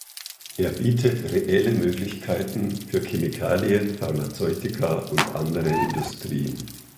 Er bietet reelle Möglichkeiten für Chemikalien, Pharmazeutika und andere Industrien.